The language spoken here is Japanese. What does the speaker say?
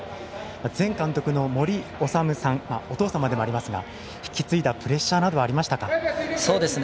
前監督の森士さんお父様でもありますが引き継いだプレッシャーなどはありましたか？